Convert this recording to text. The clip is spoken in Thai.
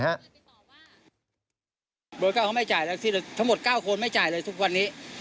โดยก็เขาไม่จ่ายแล้วทั้งหมด๙คนไม่จ่ายเลยทุกวันนี้